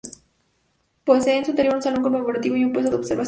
Posee en su interior un salón conmemorativo y un puesto de observación.